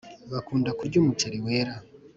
Bakunda kurya umuceri wera